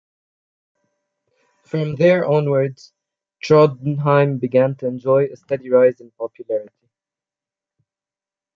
From there onwards, Trondheim began to enjoy a steady rise in popularity.